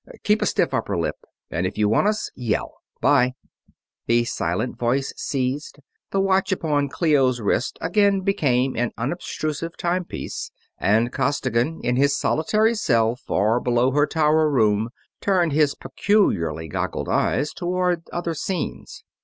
Keep a stiff upper lip, and if you want us, yell. 'Bye!" The silent voice ceased, the watch upon Clio's wrist again became an unobtrusive timepiece, and Costigan, in his solitary cell far below her tower room, turned his peculiarly goggled eyes toward other scenes.